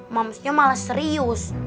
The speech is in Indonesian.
momsnya malah serius